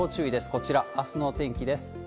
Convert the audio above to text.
こちら、あすのお天気です。